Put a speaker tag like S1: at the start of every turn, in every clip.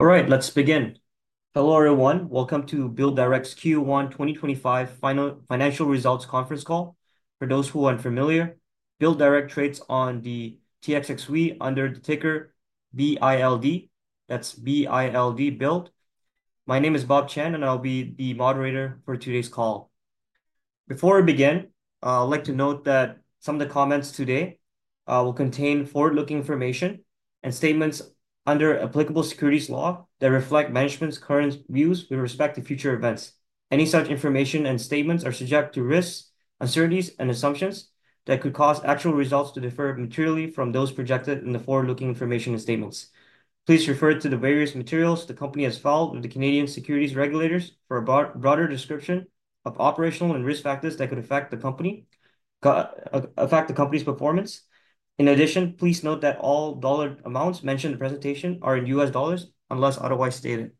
S1: All right, let's begin. Hello everyone, welcome to BuildDirect's Q1 2025 Financial Results Conference Call. For those who are unfamiliar, BuildDirect trades on the TSXV under the ticker BILD, that's B-I-L-D, Build. My name is Bob Chan, and I'll be the moderator for today's call. Before I begin, I'd like to note that some of the comments today will contain forward-looking information and statements under applicable securities law that reflect management's current views with respect to future events. Any such information and statements are subject to risks, uncertainties, and assumptions that could cause actual results to differ materially from those projected in the forward-looking information and statements. Please refer to the various materials the company has filed with the Canadian securities regulators for a broader description of operational and risk factors that could affect the company's performance. In addition, please note that all dollar amounts mentioned in the presentation are in U.S. dollars unless otherwise stated.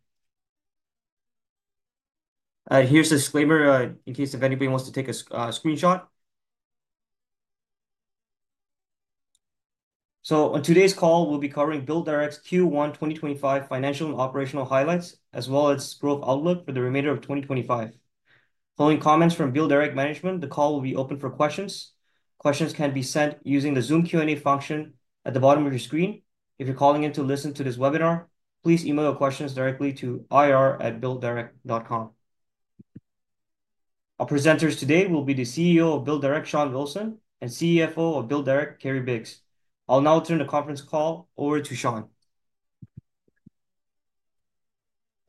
S1: Here's a disclaimer in case if anybody wants to take a screenshot. On today's call, we'll be covering BuildDirect's Q1 2025 financial and operational highlights, as well as growth outlook for the remainder of 2025. Following comments from BuildDirect management, the call will be open for questions. Questions can be sent using the Zoom Q&A function at the bottom of your screen. If you're calling in to listen to this webinar, please email your questions directly to ir@builddirect.com. Our presenters today will be the CEO of BuildDirect, Shawn Wilson, and CFO of BuildDirect, Kerry Biggs. I'll now turn the conference call over to Shawn.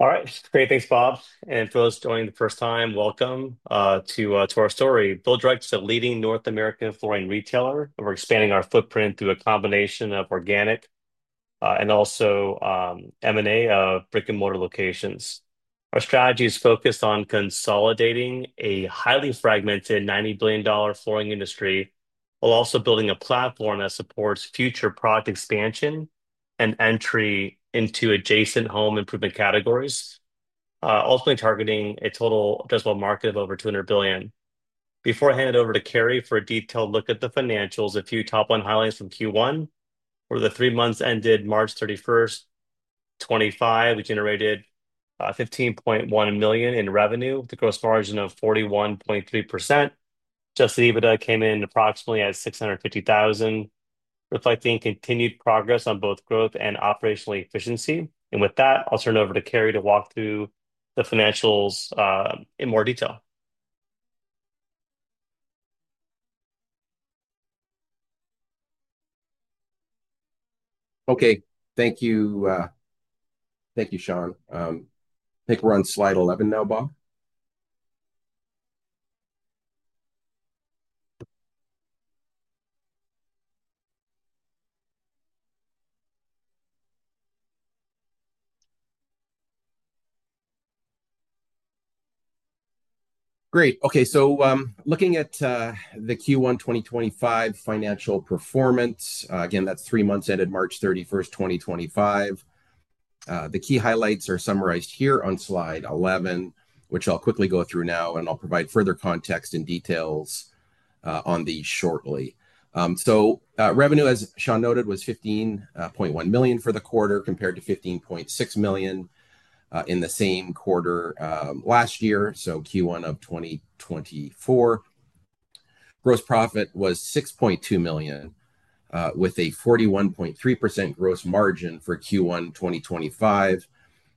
S2: All right, great. Thanks, Bob. And for those joining the first time, welcome to our story. BuildDirect is a leading North American flooring retailer. We're expanding our footprint through a combination of organic and also M&A of brick-and-mortar locations. Our strategy is focused on consolidating a highly fragmented $90 billion flooring industry while also building a platform that supports future product expansion and entry into adjacent home improvement categories, ultimately targeting a total addressable market of over $200 billion. Before I hand it over to Kerry for a detailed look at the financials, a few top-line highlights from Q1. Over the three months ended March 31, 2025, we generated $15.1 million in revenue with a gross margin of 41.3%. Adjusted EBITDA came in approximately at $650,000, reflecting continued progress on both growth and operational efficiency. With that, I'll turn it over to Kerry to walk through the financials in more detail.
S3: Okay, thank you. Thank you, Shawn. I think we're on slide 11 now, Bob.
S1: Great. Okay, so looking at the Q1 2025 financial performance, again, that's three months ended March 31, 2025. The key highlights are summarized here on slide 11, which I'll quickly go through now, and I'll provide further context and details on these shortly. Revenue, as Shawn noted, was $15.1 million for the quarter compared to $15.6 million in the same quarter last year, so Q1 of 2024. Gross profit was $6.2 million with a 41.3% gross margin for Q1 2025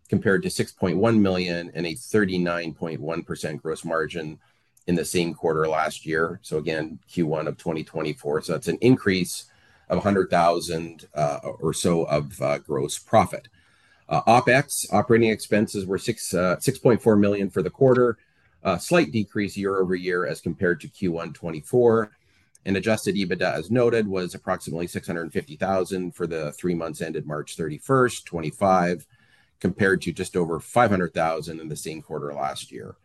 S1: compared to $6.1 million and a 39.1% gross margin in the same quarter last year, so again, Q1 of 2024. That's an increase of $100,000 or so of gross profit. OPEX, operating expenses, were $6.4 million for the quarter, a slight decrease year over year as compared to Q1 2024. Adjusted EBITDA, as noted, was approximately $650,000 for the three months ended March 31, 2025, compared to just over $500,000 in the same quarter last year.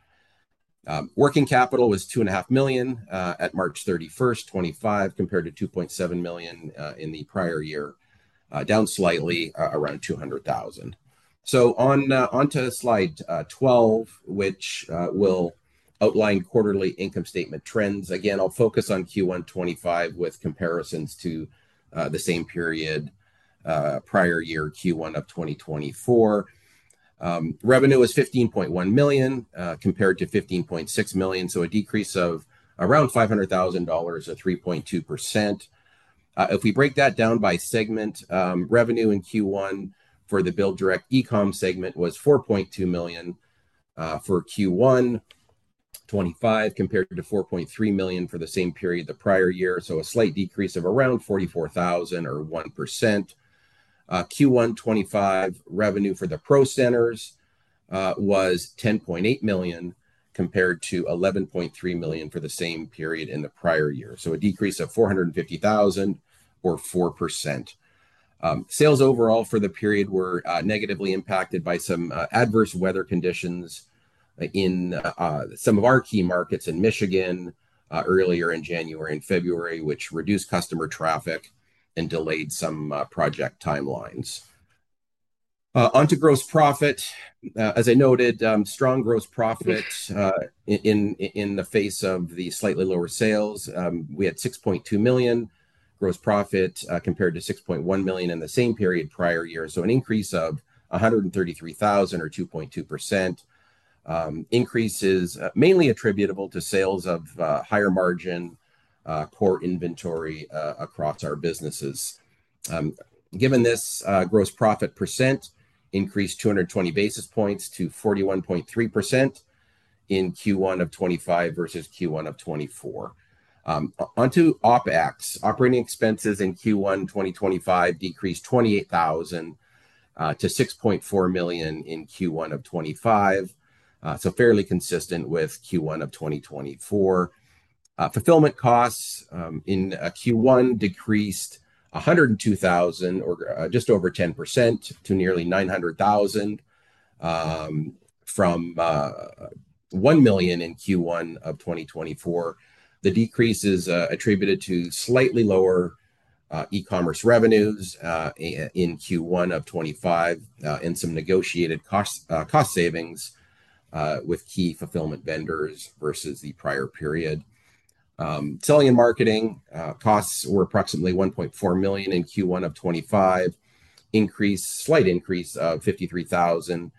S1: Working capital was $2.5 million at March 31, 2025, compared to $2.7 million in the prior year, down slightly around $200,000. On to slide 12, which will outline quarterly income statement trends. Again, I'll focus on Q1 2025 with comparisons to the same period, prior year, Q1 of 2024. Revenue was $15.1 million compared to $15.6 million, a decrease of around $500,000 or 3.2%. If we break that down by segment, revenue in Q1 for the BuildDirect e-comm segment was $4.2 million for Q1 2025 compared to $4.3 million for the same period the prior year, a slight decrease of around $44,000 or 1%. Q1 2025 revenue for the Pro Centers was $10.8 million compared to $11.3 million for the same period in the prior year, so a decrease of $450,000 or 4%. Sales overall for the period were negatively impacted by some adverse weather conditions in some of our key markets in Michigan earlier in January and February, which reduced customer traffic and delayed some project timelines. On to gross profit. As I noted, strong gross profit in the face of the slightly lower sales. We had $6.2 million gross profit compared to $6.1 million in the same period prior year, so an increase of $133,000 or 2.2%. Increase is mainly attributable to sales of higher margin core inventory across our businesses. Given this, gross profit percent increased 220 basis points to 41.3% in Q1 of 2025 versus Q1 of 2024. On to OPEX. Operating expenses in Q1 2025 decreased $28,000 to $6.4 million in Q1 of 2025, so fairly consistent with Q1 of 2024. Fulfillment costs in Q1 decreased $102,000 or just over 10% to nearly $900,000 from $1 million in Q1 of 2024. The decrease is attributed to slightly lower e-commerce revenues in Q1 of 2025 and some negotiated cost savings with key fulfillment vendors versus the prior period. Selling and marketing costs were approximately $1.4 million in Q1 of 2025, slight increase of $53,000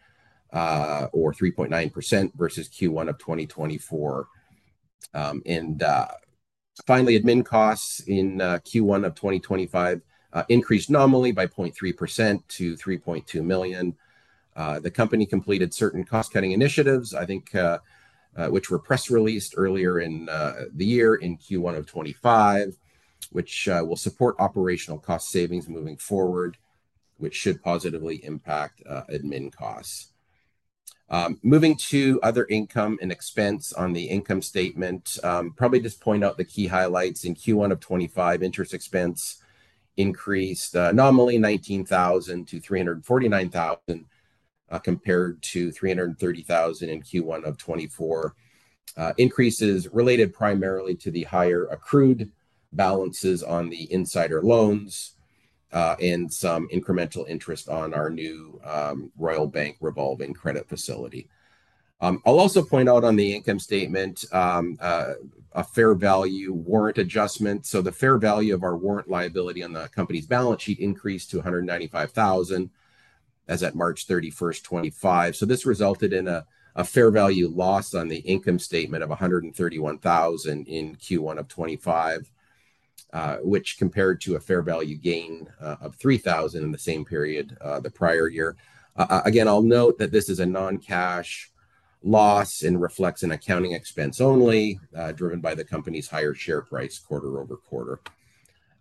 S1: or 3.9% versus Q1 of 2024. Finally, admin costs in Q1 of 2025 increased nominally by 0.3% to $3.2 million. The company completed certain cost-cutting initiatives, I think, which were press released earlier in the year in Q1 of 2025, which will support operational cost savings moving forward, which should positively impact admin costs. Moving to other income and expense on the income statement, probably just point out the key highlights in Q1 of 2025. Interest expense increased nominally $19,000 to $349,000 compared to $330,000 in Q1 of 2024. Increases related primarily to the higher accrued balances on the insider loans and some incremental interest on our new Royal Bank of Canada revolving credit facility. I'll also point out on the income statement a fair value warrant adjustment. So the fair value of our warrant liability on the company's balance sheet increased to $195,000 as at March 31, 2025. This resulted in a fair value loss on the income statement of $131,000 in Q1 of 2025, which compared to a fair value gain of $3,000 in the same period the prior year. Again, I'll note that this is a non-cash loss and reflects an accounting expense only driven by the company's higher share price quarter over quarter.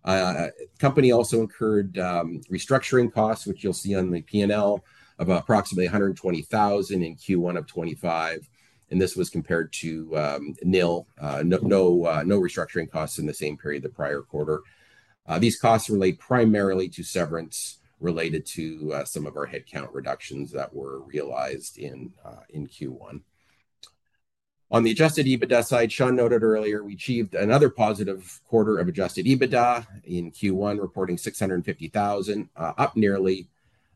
S1: The company also incurred restructuring costs, which you'll see on the P&L, of approximately $120,000 in Q1 of 2025. This was compared to no restructuring costs in the same period the prior quarter. These costs relate primarily to severance related to some of our headcount reductions that were realized in Q1. On the adjusted EBITDA side, Shawn noted earlier, we achieved another positive quarter of adjusted EBITDA in Q1, reporting $650,000, up nearly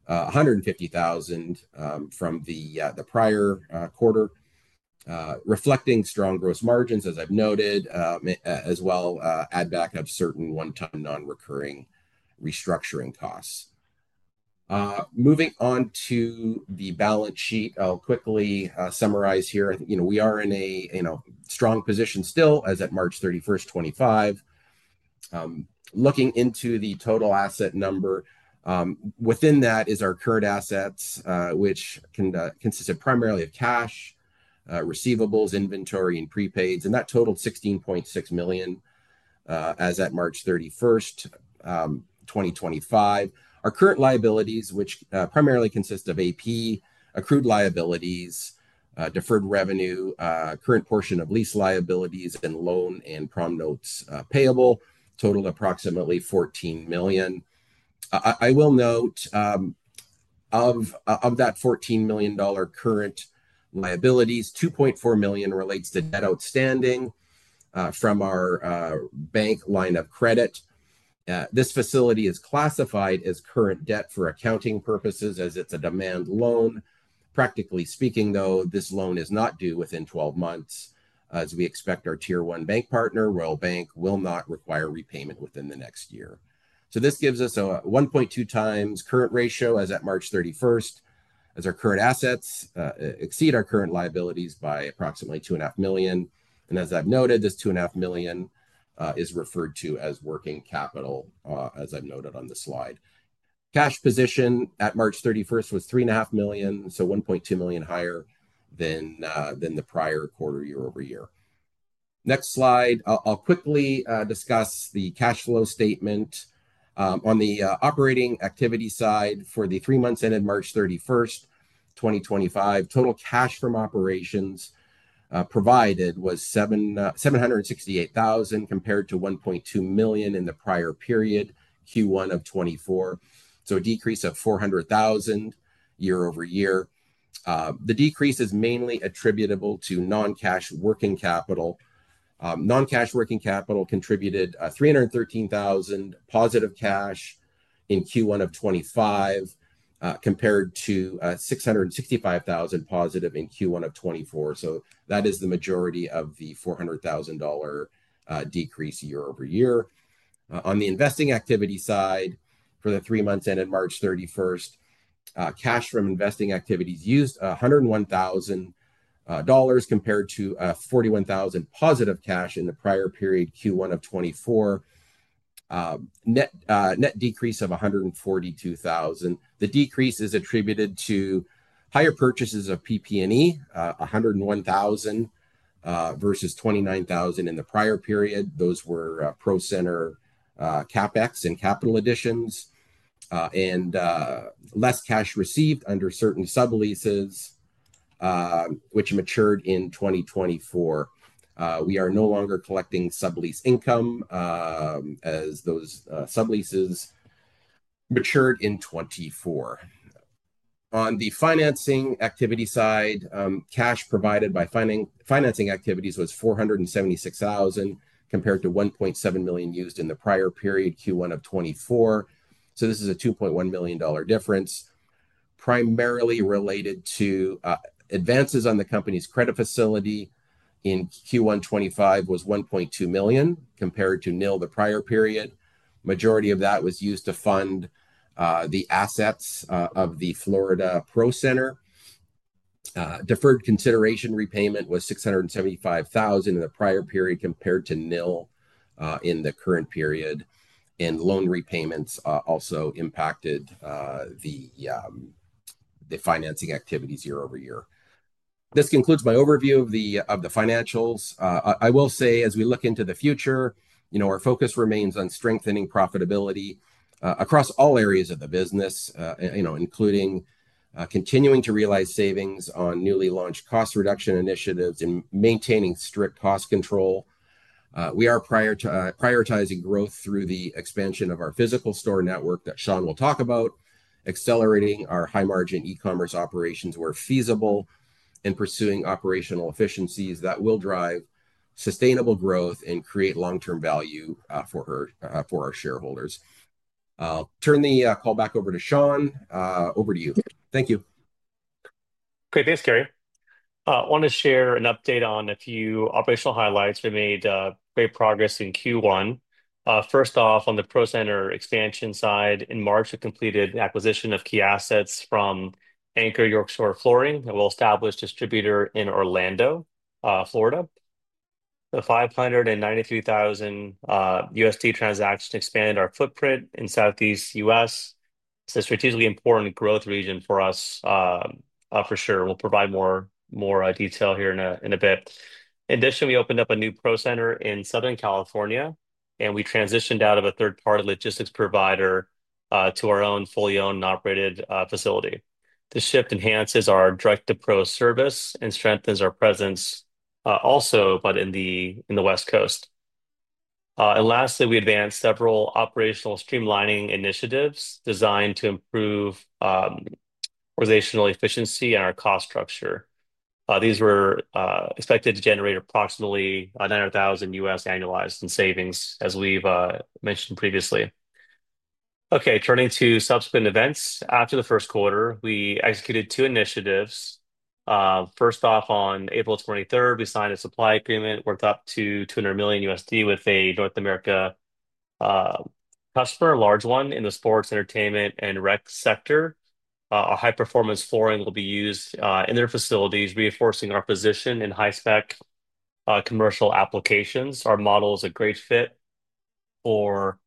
S1: $150,000 from the prior quarter, reflecting strong gross margins, as I've noted, as well as add-back of certain one-time non-recurring restructuring costs. Moving on to the balance sheet, I'll quickly summarize here. We are in a strong position still as at March 31, 2025. Looking into the total asset number, within that is our current assets, which consisted primarily of cash, receivables, inventory, and prepaids, and that totaled $16.6 million as at March 31, 2025. Our current liabilities, which primarily consist of AP, accrued liabilities, deferred revenue, current portion of lease liabilities, and loan and prom notes payable, totaled approximately $14 million. I will note of that $14 million current liabilities, $2.4 million relates to debt outstanding from our bank line of credit. This facility is classified as current debt for accounting purposes as it's a demand loan. Practically speaking, though, this loan is not due within 12 months, as we expect our tier one bank partner, Royal Bank of Canada, will not require repayment within the next year. This gives us a 1.2 times current ratio as at March 31, as our current assets exceed our current liabilities by approximately $2.5 million. As I have noted, this $2.5 million is referred to as working capital, as I have noted on the slide. Cash position at March 31 was $3.5 million, so $1.2 million higher than the prior quarter year over year. Next slide. I will quickly discuss the cash flow statement. On the operating activity side for the three months ended March 31, 2025, total cash from operations provided was $768,000 compared to $1.2 million in the prior period, Q1 of 2024, so a decrease of $400,000 year over year. The decrease is mainly attributable to non-cash working capital. Non-cash working capital contributed $313,000 positive cash in Q1 of 2025 compared to $665,000 positive in Q1 of 2024. That is the majority of the $400,000 decrease year over year. On the investing activity side for the three months ended March 31, cash from investing activities used $101,000 compared to $41,000 positive cash in the prior period, Q1 of 2024, net decrease of $142,000. The decrease is attributed to higher purchases of PP&E, $101,000 versus $29,000 in the prior period. Those were Pro Center CapEx and capital additions, and less cash received under certain subleases, which matured in 2024. We are no longer collecting sublease income as those subleases matured in 2024. On the financing activity side, cash provided by financing activities was $476,000 compared to $1.7 million used in the prior period, Q1 of 2024. This is a $2.1 million difference. Primarily related to advances on the company's credit facility in Q1 2025 was $1.2 million compared to NIL the prior period. Majority of that was used to fund the assets of the Florida Pro Center. Deferred consideration repayment was $675,000 in the prior period compared to NIL in the current period. Loan repayments also impacted the financing activities year over year. This concludes my overview of the financials. I will say, as we look into the future, our focus remains on strengthening profitability across all areas of the business, including continuing to realize savings on newly launched cost reduction initiatives and maintaining strict cost control. We are prioritizing growth through the expansion of our physical store network that Shawn will talk about, accelerating our high-margin e-commerce operations where feasible, and pursuing operational efficiencies that will drive sustainable growth and create long-term value for our shareholders. I'll turn the call back over to Shawn. Over to you. Thank you.
S2: Great. Thanks, Kerry. I want to share an update on a few operational highlights. We made great progress in Q1. First off, on the Pro Center expansion side, in March, we completed the acquisition of key assets from Anchor Yorkshire Flooring, a well-established distributor in Orlando, Florida. The $593,000 transaction expanded our footprint in Southeast US. It's a strategically important growth region for us, for sure. We'll provide more detail here in a bit. In addition, we opened up a new Pro Center in Southern California, and we transitioned out of a third-party logistics provider to our own fully owned and operated facility. This shift enhances our direct-to-Pro service and strengthens our presence also, but in the West Coast. Lastly, we advanced several operational streamlining initiatives designed to improve organizational efficiency and our cost structure. These were expected to generate approximately $900,000 U.S. annualized in savings, as we've mentioned previously. Okay, turning to subsequent events. After the first quarter, we executed two initiatives. First off, on April 23, we signed a supply agreement worth up to $200 million USD with a North America customer, a large one in the sports, entertainment, and rec sector. A high-performance flooring will be used in their facilities, reinforcing our position in high-spec commercial applications. Our model is a great fit for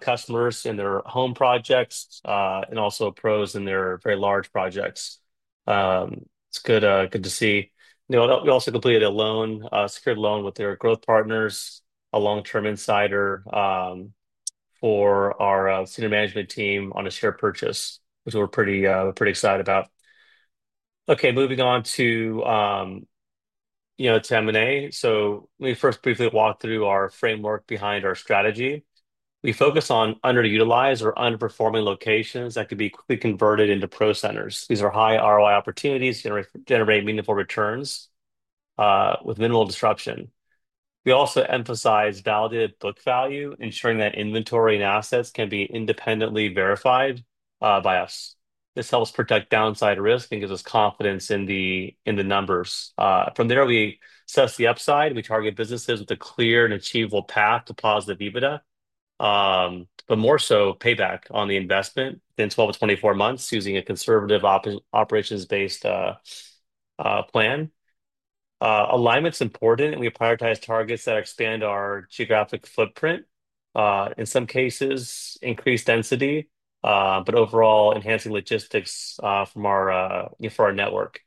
S2: customers in their home projects and also pros in their very large projects. It's good to see. We also completed a secured loan with their growth partners, a long-term insider for our senior management team on a share purchase, which we're pretty excited about. Okay, moving on to the M&A. Let me first briefly walk through our framework behind our strategy. We focus on underutilized or underperforming locations that could be quickly converted into Pro Centers. These are high ROI opportunities, generate meaningful returns with minimal disruption. We also emphasize validated book value, ensuring that inventory and assets can be independently verified by us. This helps protect downside risk and gives us confidence in the numbers. From there, we assess the upside. We target businesses with a clear and achievable path to positive EBITDA, but more so payback on the investment in 12-24 months using a conservative operations-based plan. Alignment's important, and we prioritize targets that expand our geographic footprint. In some cases, increased density, but overall, enhancing logistics for our network.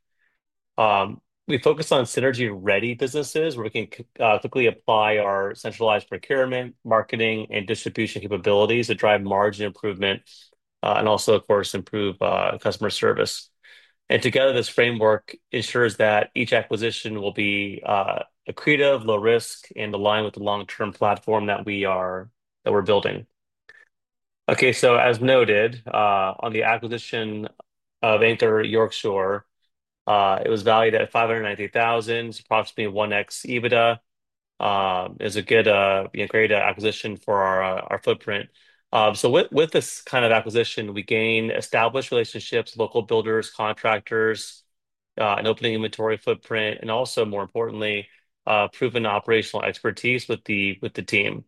S2: We focus on synergy-ready businesses where we can quickly apply our centralized procurement, marketing, and distribution capabilities to drive margin improvement and also, of course, improve customer service. Together, this framework ensures that each acquisition will be accretive, low-risk, and aligned with the long-term platform that we are building. As noted, on the acquisition of Anchor Yorkshire Flooring, it was valued at $593,000, approximately 1x EBITDA. It is a great acquisition for our footprint. With this kind of acquisition, we gain established relationships, local builders, contractors, an opening inventory footprint, and also, more importantly, proven operational expertise with the team.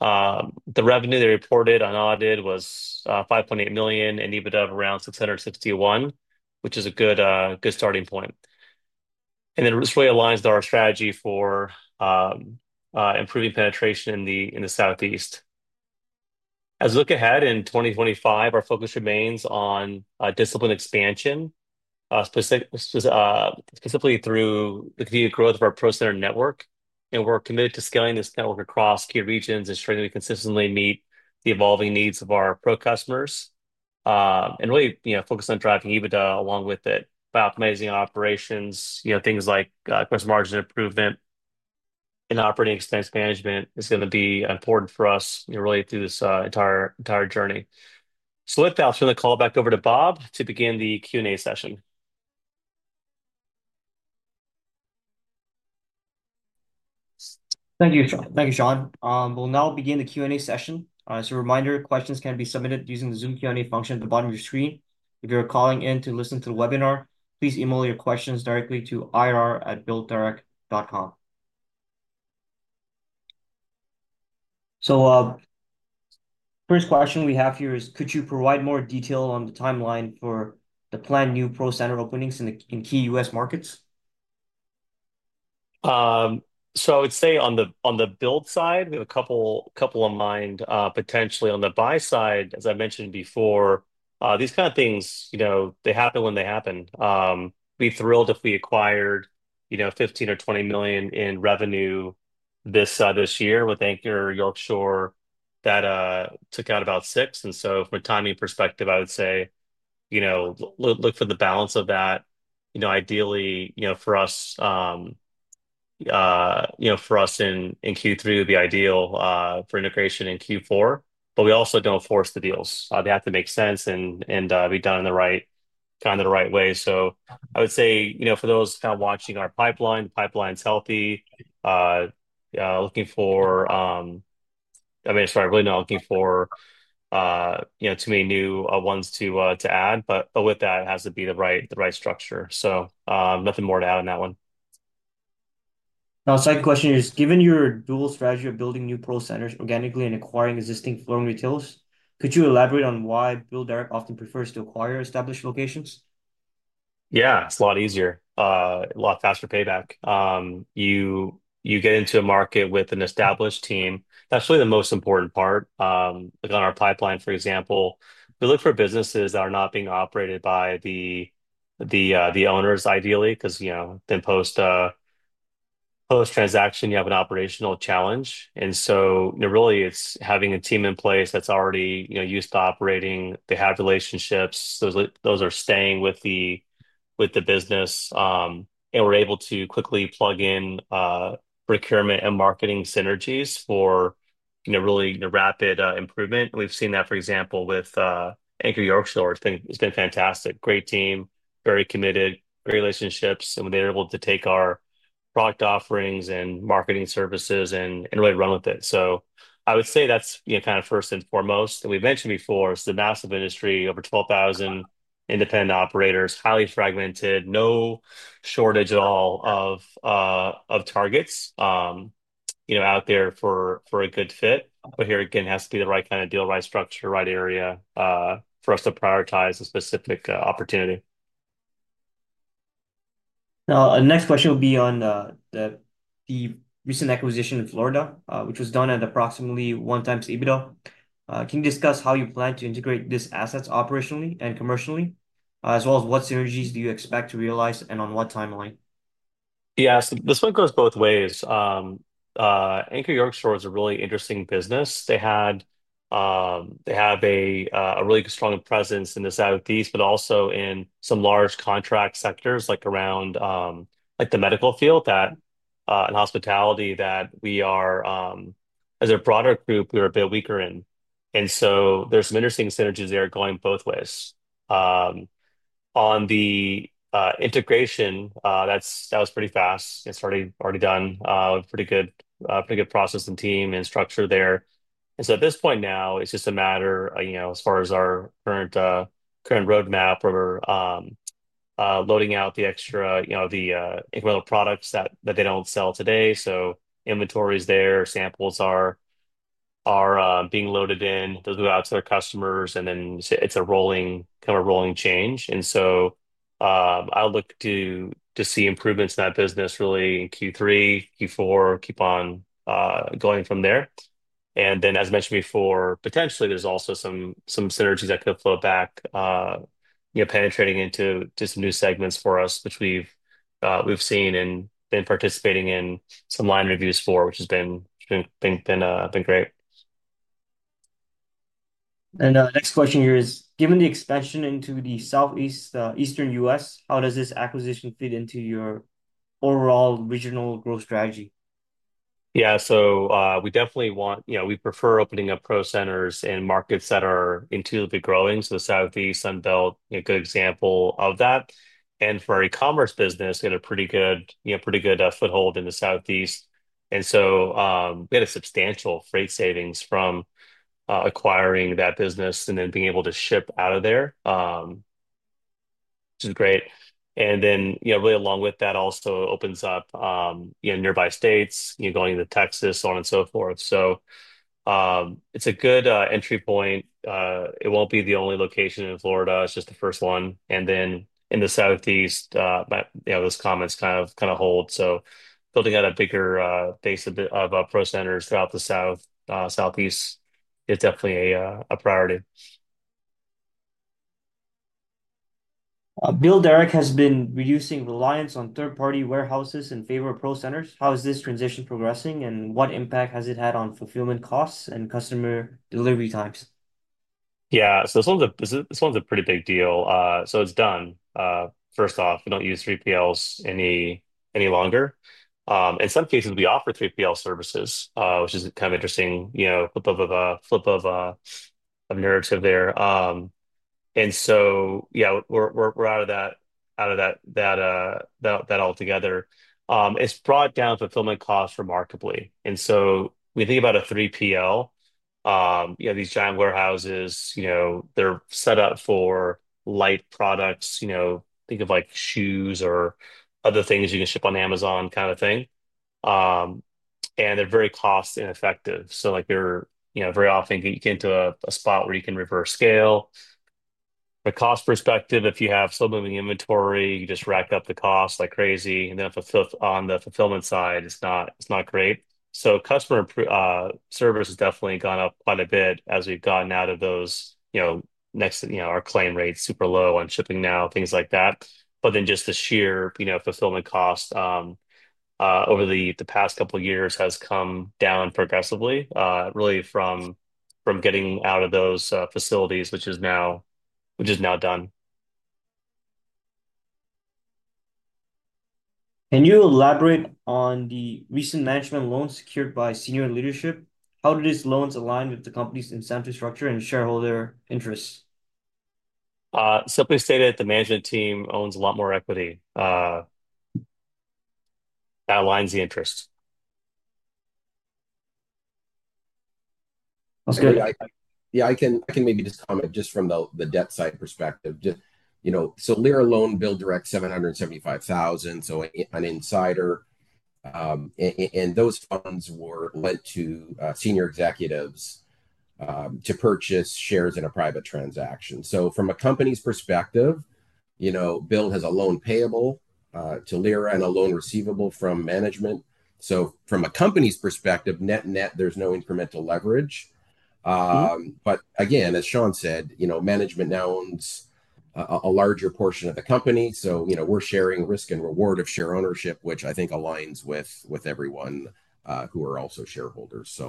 S2: The revenue they reported on audit was $5.8 million and EBITDA of around $661,000, which is a good starting point. This really aligns with our strategy for improving penetration in the Southeast. As we look ahead in 2025, our focus remains on disciplined expansion, specifically through the continued growth of our Pro Center network. We are committed to scaling this network across key regions and striving to consistently meet the evolving needs of our pro customers and really focus on driving EBITDA along with it by optimizing operations, things like gross margin improvement and operating expense management is going to be important for us really through this entire journey. With that, I'll turn the call back over to Bob to begin the Q&A session.
S1: Thank you, Shawn. We'll now begin the Q&A session. As a reminder, questions can be submitted using the Zoom Q&A function at the bottom of your screen. If you're calling in to listen to the webinar, please email your questions directly to ir@builddirect.com. The first question we have here is, could you provide more detail on the timeline for the planned new Pro Center openings in key U.S. markets?
S2: I would say on the build side, we have a couple in mind. Potentially on the buy side, as I mentioned before, these kind of things, they happen when they happen. We'd be thrilled if we acquired $15 million or $20 million in revenue this year. With Anchor Yorkshire, that took out about $6 million. From a timing perspective, I would say look for the balance of that. Ideally, for us in Q3 would be ideal for integration in Q4, but we also do not force the deals. They have to make sense and be done in the right kind of the right way. I would say for those kind of watching our pipeline, the pipeline's healthy. Looking for, I mean, sorry, really not looking for too many new ones to add, but with that, it has to be the right structure. Nothing more to add on that one.
S1: Now, second question is, given your dual strategy of building new Pro Centers organically and acquiring existing flooring retailers, could you elaborate on why BuildDirect often prefers to acquire established locations?
S2: Yeah, it's a lot easier. A lot faster payback. You get into a market with an established team. That's really the most important part. On our pipeline, for example, we look for businesses that are not being operated by the owners, ideally, because then post-transaction, you have an operational challenge. Really, it's having a team in place that's already used to operating. They have relationships. Those are staying with the business. We're able to quickly plug in procurement and marketing synergies for really rapid improvement. We've seen that, for example, with Anchor Yorkshire Flooring. It's been fantastic. Great team, very committed, great relationships. They're able to take our product offerings and marketing services and really run with it. I would say that's kind of first and foremost. We mentioned before, it's the massive industry, over 12,000 independent operators, highly fragmented, no shortage at all of targets out there for a good fit. Here, again, it has to be the right kind of deal, right structure, right area for us to prioritize a specific opportunity.
S1: Now, the next question will be on the recent acquisition in Florida, which was done at approximately one time's EBITDA. Can you discuss how you plan to integrate this asset operationally and commercially, as well as what synergies do you expect to realize and on what timeline?
S2: Yeah, so this one goes both ways. Anchor Yorkshire Flooring is a really interesting business. They have a really strong presence in the Southeast, but also in some large contract sectors like around the medical field and hospitality that we are, as a broader group, we're a bit weaker in. There are some interesting synergies there going both ways. On the integration, that was pretty fast. It's already done. Pretty good process and team and structure there. At this point now, it's just a matter, as far as our current roadmap, we're loading out the extra incremental products that they do not sell today. Inventory is there. Samples are being loaded in. They'll go out to their customers, and then it's kind of a rolling change. I'll look to see improvements in that business really in Q3, Q4, keep on going from there. As mentioned before, potentially, there's also some synergies that could flow back, penetrating into some new segments for us, which we've seen and been participating in some line reviews for, which has been great.
S1: The next question here is, given the expansion into the Southeast U.S., how does this acquisition fit into your overall regional growth strategy?
S2: Yeah, so we definitely want, we prefer opening up Pro Centers in markets that are intuitively growing. Southeast Unbelt is a good example of that. For our e-commerce business, we had a pretty good foothold in the Southeast. We had a substantial freight savings from acquiring that business and then being able to ship out of there, which is great. Really, along with that, it also opens up nearby states, going into Texas, so on and so forth. It is a good entry point. It will not be the only location in Florida. It is just the first one. In the Southeast, those comments kind of hold. Building out a bigger base of Pro Centers throughout the Southeast is definitely a priority.
S1: BuildDirect has been reducing reliance on third-party warehouses in favor of Pro Centers. How is this transition progressing, and what impact has it had on fulfillment costs and customer delivery times?
S2: Yeah, so this one's a pretty big deal. It's done. First off, we don't use 3PLs any longer. In some cases, we offer 3PL services, which is kind of interesting, flip of a narrative there. Yeah, we're out of that altogether. It's brought down fulfillment costs remarkably. When you think about a 3PL, you have these giant warehouses. They're set up for light products. Think of shoes or other things you can ship on Amazon kind of thing. They're very cost-ineffective. Very often, you get into a spot where you can reverse scale. From a cost perspective, if you have slow-moving inventory, you just rack up the cost like crazy. On the fulfillment side, it's not great. Customer service has definitely gone up quite a bit as we've gotten out of those. Next to our claim rates, super low on shipping now, things like that. Just the sheer fulfillment cost over the past couple of years has come down progressively, really from getting out of those facilities, which is now done.
S1: Can you elaborate on the recent management loans secured by senior leadership? How do these loans align with the company's incentive structure and shareholder interests?
S2: Simply stated, the management team owns a lot more equity. That aligns the interest.
S1: That's good.
S3: Yeah, I can maybe just comment just from the debt side perspective. Lira loaned BuildDirect $775,000, so an insider. Those funds were lent to senior executives to purchase shares in a private transaction. From a company's perspective, BuildDirect has a loan payable to Lira and a loan receivable from management. From a company's perspective, net-net, there's no incremental leverage. As Shawn said, management now owns a larger portion of the company. We're sharing risk and reward of share ownership, which I think aligns with everyone who are also shareholders.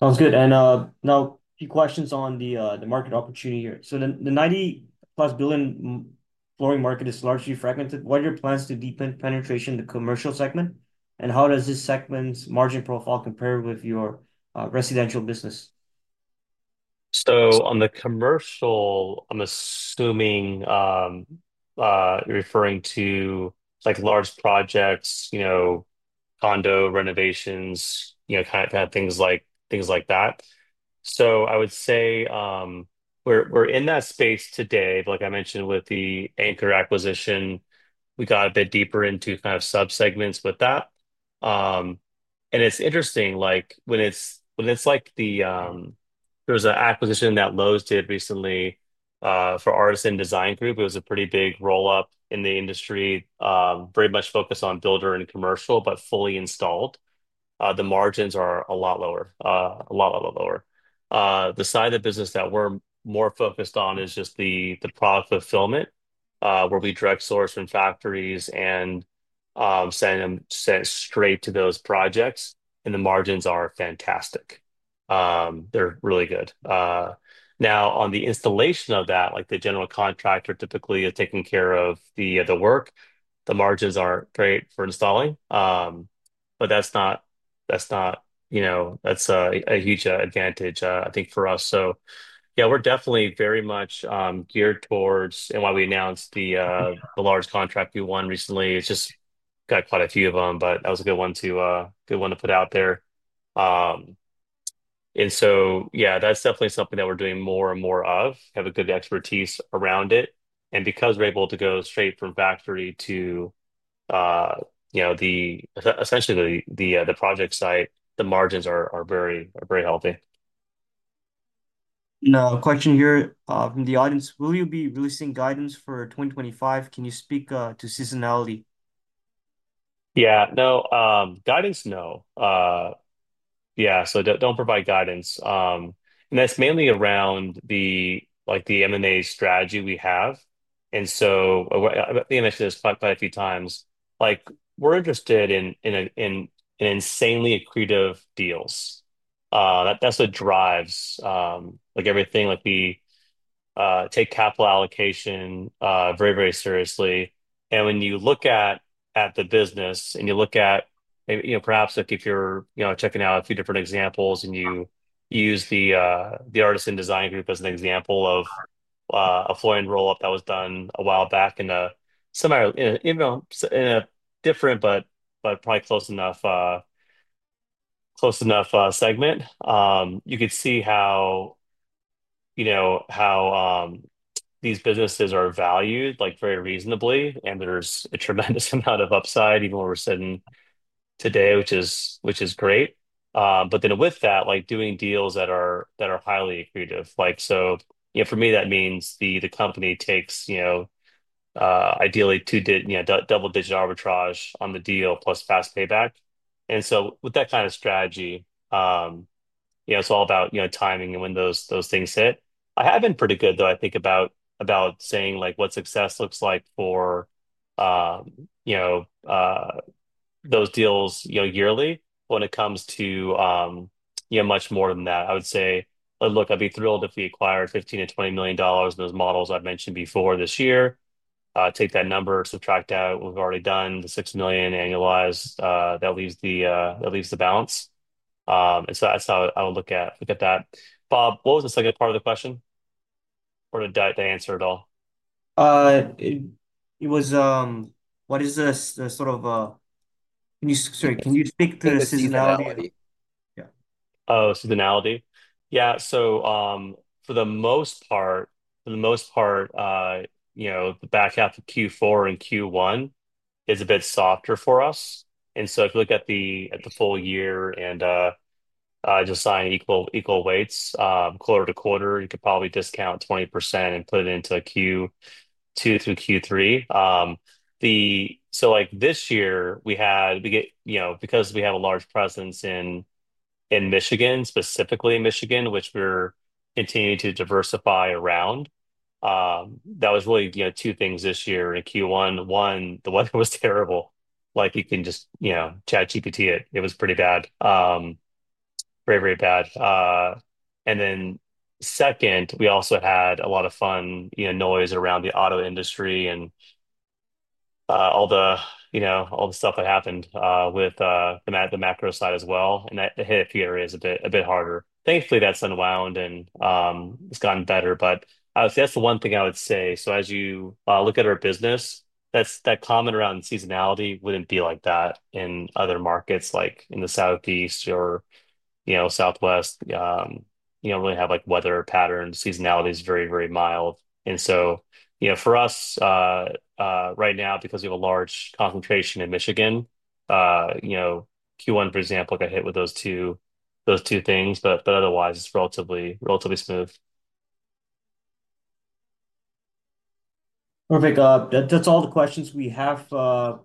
S1: Sounds good. Now, a few questions on the market opportunity here. The $90 billion-plus flooring market is largely fragmented. What are your plans to deepen penetration in the commercial segment? How does this segment's margin profile compare with your residential business?
S2: On the commercial, I'm assuming you're referring to large projects, condo renovations, kind of things like that. I would say we're in that space today. Like I mentioned with the Anchor Yorkshire Flooring acquisition, we got a bit deeper into kind of subsegments with that. It's interesting when there was an acquisition that Lowe's did recently for Artisan Design Group. It was a pretty big roll-up in the industry, very much focused on builder and commercial, but fully installed. The margins are a lot lower, a lot, a lot lower. The side of the business that we're more focused on is just the product fulfillment, where we direct source from factories and send them straight to those projects. The margins are fantastic. They're really good. Now, on the installation of that, the general contractor typically is taking care of the work. The margins aren't great for installing. That's not a huge advantage, I think, for us. Yeah, we're definitely very much geared towards and why we announced the large contract we won recently. It's just got quite a few of them, but that was a good one to put out there. Yeah, that's definitely something that we're doing more and more of, have a good expertise around it. Because we're able to go straight from factory to essentially the project site, the margins are very healthy.
S1: Now, a question here from the audience. Will you be releasing guidance for 2025? Can you speak to seasonality?
S2: Yeah. No, guidance, no. Yeah, so do not provide guidance. That is mainly around the M&A strategy we have. I think I mentioned this quite a few times. We are interested in insanely accretive deals. That is what drives everything. We take capital allocation very, very seriously. When you look at the business and you look at perhaps if you are checking out a few different examples and you use the Artisan Design Group as an example of a flooring roll-up that was done a while back in a different but probably close enough segment, you could see how these businesses are valued very reasonably. There is a tremendous amount of upside even when we are sitting today, which is great. With that, doing deals that are highly accretive. For me, that means the company takes ideally double-digit arbitrage on the deal plus fast payback. With that kind of strategy, it's all about timing and when those things hit. I have been pretty good, though, I think, about saying what success looks like for those deals yearly when it comes to much more than that. I would say, "Look, I'd be thrilled if we acquired $15-$20 million in those models I've mentioned before this year. Take that number, subtract out what we've already done, the $6 million annualized. That leaves the balance." That's how I would look at that. Bob, what was the second part of the question? Or did I answer it all?
S1: It was, what is the, sort of, can you speak to the seasonality?
S2: Oh, seasonality. Yeah. For the most part, the back half of Q4 and Q1 is a bit softer for us. If you look at the full year and just sign equal weights, quarter to quarter, you could probably discount 20% and put it into Q2 through Q3. This year, because we have a large presence in Michigan, specifically Michigan, which we're continuing to diversify around, that was really two things this year in Q1. One, the weather was terrible. You can just chat GPT it. It was pretty bad. Very, very bad. Second, we also had a lot of fun noise around the auto industry and all the stuff that happened with the macro side as well. That hit a few areas a bit harder. Thankfully, that's unwound and it's gotten better. I would say that's the one thing I would say. As you look at our business, that comment around seasonality would not be like that in other markets like in the Southeast or Southwest. You do not really have weather patterns. Seasonality is very, very mild. For us right now, because we have a large concentration in Michigan, Q1, for example, got hit with those two things. Otherwise, it is relatively smooth.
S1: Perfect. That's all the questions we have for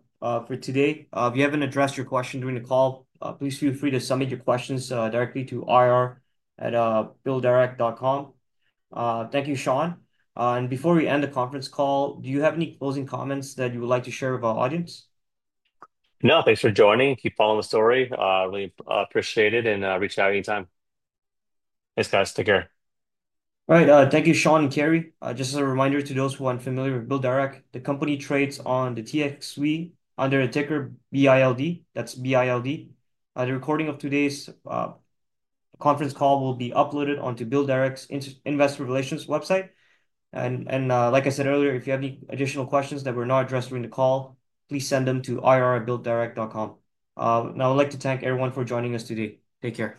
S1: today. If you haven't addressed your question during the call, please feel free to submit your questions directly to ir@builddirect.com. Thank you, Shawn. Before we end the conference call, do you have any closing comments that you would like to share with our audience?
S2: No, thanks for joining. Keep following the story. Really appreciate it. And reach out anytime. Thanks, guys. Take care.
S1: All right. Thank you, Shawn and Kerry. Just as a reminder to those who are unfamiliar with BuildDirect, the company trades on the TSXV under the ticker BILD. That's B-I-L-D. The recording of today's conference call will be uploaded onto BuildDirect's investor relations website. Like I said earlier, if you have any additional questions that were not addressed during the call, please send them to ir@builddirect.com. Now, I'd like to thank everyone for joining us today. Take care.